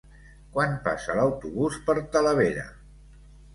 Quan passa l'autobús per Talavera?